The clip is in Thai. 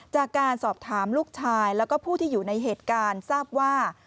จากการสอบถามลูกชายแล้วก็ผู้ที่อยู่ในเหตุการณ์ทราบว่า